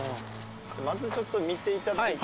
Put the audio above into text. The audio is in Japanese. まずちょっと見て頂いて。